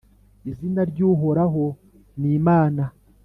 izina ry’Uhoraho n’Imana,